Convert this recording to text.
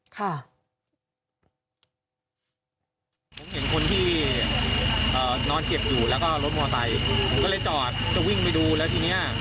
ผมเห็นคนที่นอนเก็บอยู่แล้วก็รถมอไซค์ผมก็เลยจอดจะวิ่งไปดูแล้วทีเนี้ย